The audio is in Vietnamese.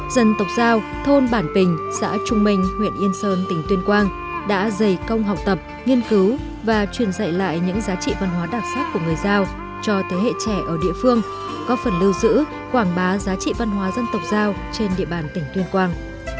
dân tộc giao thôn bản bình xã trung minh huyện yên sơn tỉnh tuyên quang đã dày công học tập nghiên cứu và truyền dạy lại những giá trị văn hóa đặc sắc của người giao cho thế hệ trẻ ở địa phương có phần lưu giữ quảng bá giá trị văn hóa dân tộc giao trên địa bàn tỉnh tuyên quang